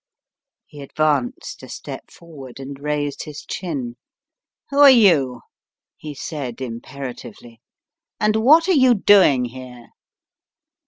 He advanced a step forward and raised his chin. "Who are you?" he said, imperatively. "And what are you doing here?"